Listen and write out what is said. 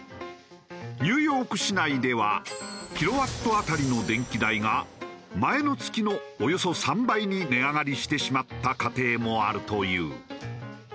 ニューヨーク市内ではキロワット当たりの電気代が前の月のおよそ３倍に値上がりしてしまった家庭もあるという。